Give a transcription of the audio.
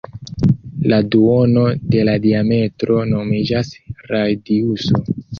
La duono de la diametro nomiĝas radiuso.